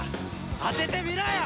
当ててみろよ！